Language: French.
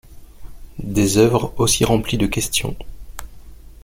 Des œuvres aussi remplies de questions.